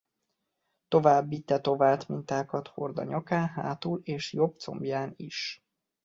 További tetovált mintákat hord a nyakán hátul és jobb combján is.